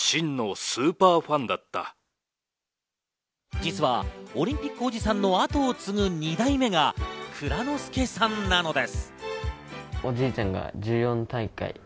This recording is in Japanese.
実はオリンピックおじさんの跡を継ぐ２代目が藏之輔さんなのです。